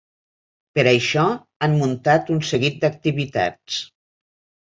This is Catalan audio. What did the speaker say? Per això, han muntat un seguit d’activitats.